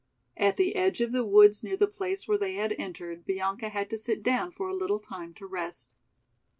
At the edge of the woods near the place where they had entered Bianca had to sit down for a little time to rest.